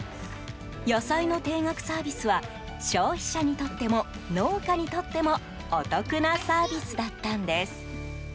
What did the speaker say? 野菜の定額サービスは消費者にとっても農家にとってもお得なサービスだったんです。